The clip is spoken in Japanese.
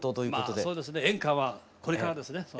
まあそうですね演歌はこれからですね